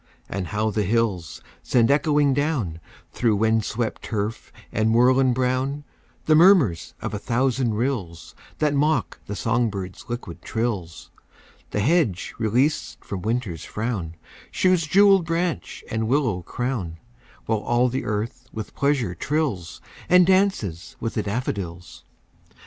And how the hills send echoing down, Through wind swept turf and moorland brown, The murmurs of a thousand rills That mock the song birds' liquid trills! The hedge released from Winter's frown Shews jewelled branch and willow crown; While all the earth with pleasure trills, And 'dances with the daffodils.